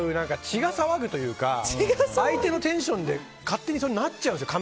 血が騒ぐというか相手のテンションで勝手に、そうなっちゃうんですよ